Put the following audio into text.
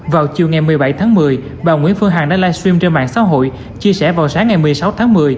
vào chiều ngày một mươi bảy tháng một mươi bà nguyễn phương hằng đã livestream trên mạng xã hội chia sẻ vào sáng ngày một mươi sáu tháng một mươi